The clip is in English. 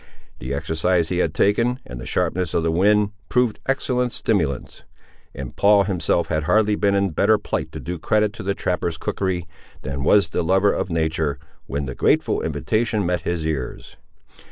The exercise he had taken, and the sharpness of the wind, proved excellent stimulants; and Paul himself had hardly been in better plight to do credit to the trapper's cookery, than was the lover of nature, when the grateful invitation met his ears.